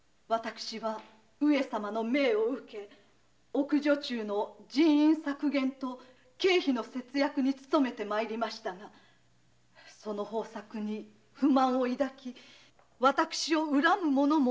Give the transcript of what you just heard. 上様の命を受け奥女中の人員削減と経費の節約につとめてまいりましたがその方策に不満を抱き私を憎む者もあるやもしれませぬ。